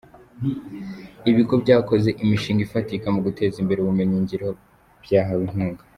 Ibigo byakoze imishinga ifatika mu guteza imbere ubumenyi ngiro byahawe inkunga